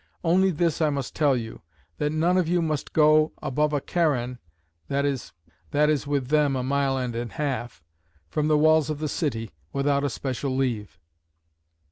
Only this I must tell you, that none of you must go above a karan," (that is with them a mile and an half) "from the walls of the city, without especial leave."